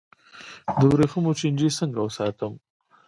د وریښمو چینجی څنګه وساتم؟